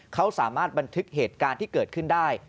เขาสามารถบันทึกเหตุการณ์ที่เกิดขึ้นได้